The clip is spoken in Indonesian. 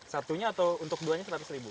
satunya atau untuk duanya seratus ribu